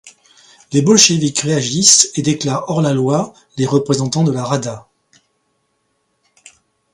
Les bolcheviks réagissent et déclarent hors la loi les représentants de la Rada.